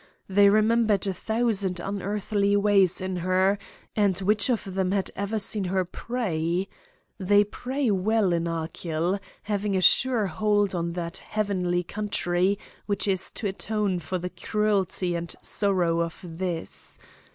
They remembered a thousand unearthly ways in her; and which of them had ever seen her pray? They pray well in Achill, having a sure hold on that heavenly country which is to atone for the cruelty and sorrow of this.